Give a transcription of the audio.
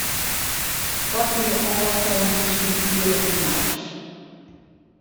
Wat is de ôfstân tusken de Ierde en Mars?